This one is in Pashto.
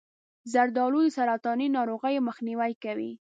زردآلو د سرطاني ناروغیو مخنیوی کوي.